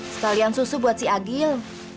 sekalian susu buat si agil